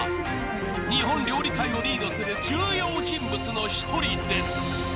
［日本料理界をリードする重要人物の１人です］